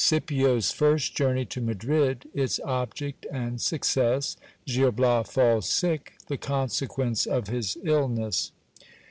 — Scipio 's first journey to Madrid ': its object and success. Gil Bias falls sick. The consequence of his illness.